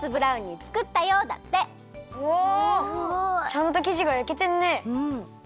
ちゃんときじがやけてんね。